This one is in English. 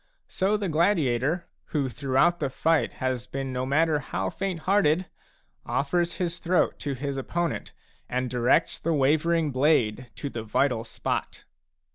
So the gladiator, who throughout the fight has been no matter how fainthearted, offers his throat to his opponent and directs the wavering blade to the vital spot.